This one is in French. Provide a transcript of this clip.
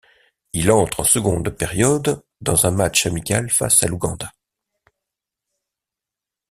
Il entre en seconde période dans un match amical face à l'Ouganda.